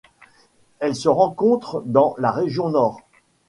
Elle se rencontre dans la région Nord.